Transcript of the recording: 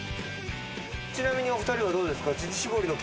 ちなみにお２人はどうですか？